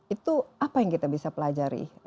itu apa yang kita bisa pelajari